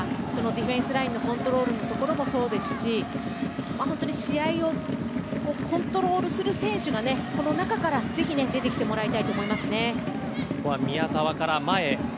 ディフェンスラインのコントロールもそうですし試合をコントロールする選手がこの中からぜひ出てきてもらいたいです。